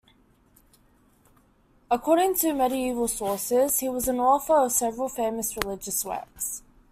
According to the medieval sources, he was an author of several famous religious works.